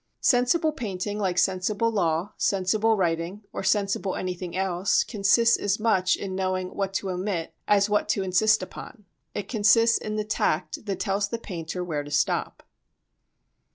Sensible painting, like sensible law, sensible writing, or sensible anything else, consists as much in knowing what to omit as what to insist upon. It consists in the tact that tells the painter where to stop.